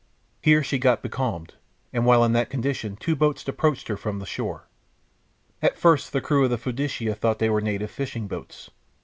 Here she got becalmed, and while in that condition two boats approached her from the shore. At first the crew of the Fiducia thought they were native fishing boats.